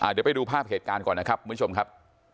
เดี๋ยวไปดูภาพเหตุการณ์ก่อนนะครับคุณผู้ชมครับ